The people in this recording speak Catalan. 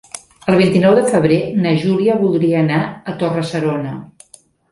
El vint-i-nou de febrer na Júlia voldria anar a Torre-serona.